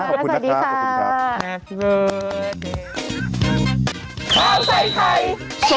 ขอบคุณค่ะสวัสดีค่ะ